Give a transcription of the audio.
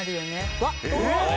うわっ